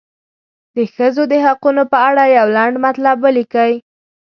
د ښځو د حقونو په اړه یو لنډ مطلب ولیکئ.